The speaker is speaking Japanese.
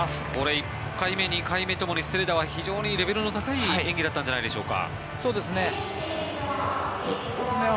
１回目、２回目ともにセレダは非常にレベルの高い演技だったんじゃないでしょうか。